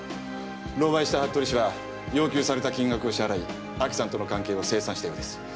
狼狽した服部氏は要求された金額を支払い亜紀さんとの関係を精算したようです。